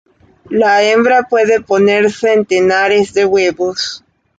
La hembra puede poner centenares de huevos.